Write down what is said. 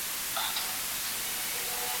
دا پلان له هغه ګټور دی!؟